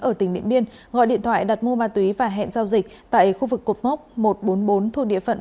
ở tỉnh điện biên gọi điện thoại đặt mua ma túy và hẹn giao dịch tại khu vực cột mốc một trăm bốn mươi bốn thuộc địa phận